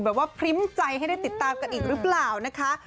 แบบว่าพริ้มใจหรือเปล่านะคะ